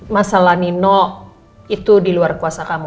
masalah nino itu di luar kuasa kamu